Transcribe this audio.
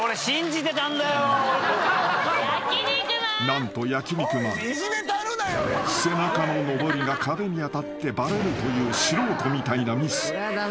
［何と焼肉マン背中ののぼりが壁に当たってバレるという素人みたいなミス］